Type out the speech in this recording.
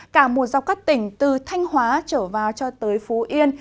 cả một dọc các tỉnh từ thanh hóa trở vào cho tới phú yên